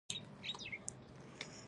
د وریجو پوستکی د څه لپاره کاریږي؟